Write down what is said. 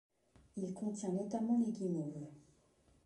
Il contient notamment les guimauves.